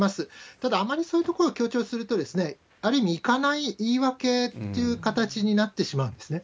ただ、あまりそういうところを強調すると、ある意味行かない言い訳という形になってしまうんですね。